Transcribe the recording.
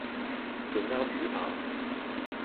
用啱語法